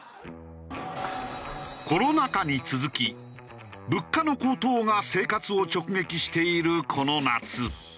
コロナ禍に続き物価の高騰が生活を直撃しているこの夏。